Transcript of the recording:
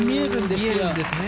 見えるんですけどね。